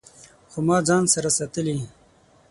خو ما ځان سره ساتلي